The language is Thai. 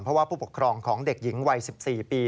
เพราะว่าผู้ปกครองของเด็กหญิงวัย๑๔ปี